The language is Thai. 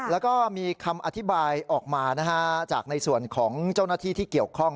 แล้วก็มีคำอธิบายออกมาจากในส่วนของเจ้าหน้าที่ที่เกี่ยวข้อง